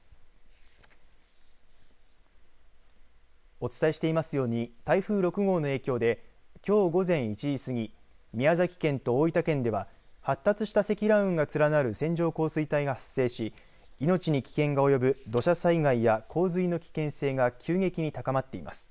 お伝えしていますように台風６号の影響できょう午前１時過ぎ宮崎県と大分県では発達した積乱雲が連なる線状降水帯が発生し命に危険が及ぶ土砂災害や洪水の危険性が急激に高まっています。